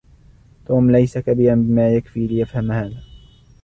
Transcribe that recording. توم ليس كبيراً بما يكفي ليفهم هذا.